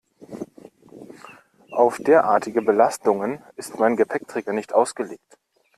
Auf derartige Belastungen ist mein Gepäckträger nicht ausgelegt.